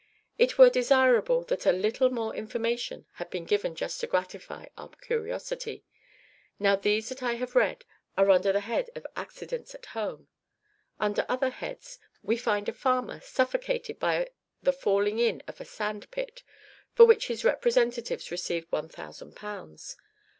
It were desirable that a little more information had been given just to gratify our curiosity. Now, these that I have read are under the head of `Accidents at Home.' Under other `Heads,' we find a farmer suffocated by the falling in of a sand pit, for which his representatives received 1000 pounds.